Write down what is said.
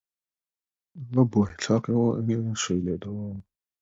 A year later the Vironian territories were taken by Brothers of the Sword.